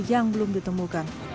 yang belum ditemukan